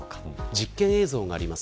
実験映像があります。